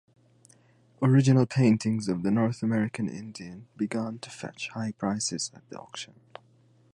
Original printings of "The North American Indian" began to fetch high prices at auction.